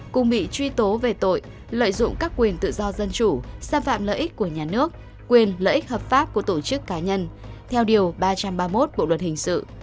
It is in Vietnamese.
cùng bị truy tố về tội lợi dụng các quyền tự do dân chủ xâm phạm lợi ích của nhà nước quyền lợi ích hợp pháp của tổ chức cá nhân theo điều ba trăm ba mươi một bộ luật hình sự